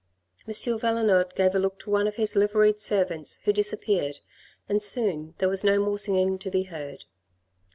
M. Valenod gave a look to one of his liveried servants who disappeared and soon there was no more singing to be heard.